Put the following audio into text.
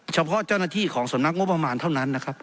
เฉพาะเจ้าหน้าที่ของสำนักงบประมาณเท่านั้นนะครับ